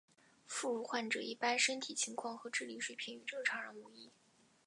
副乳患者一般身体情况和智力水平与正常人无异。